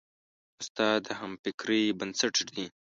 استاد د همفکرۍ بنسټ ږدي.